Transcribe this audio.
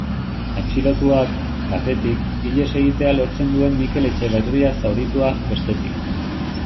Atxilotuak, batetik, ihes egitea lortzen duen Mikel Etxeberria zauritua, bestetik.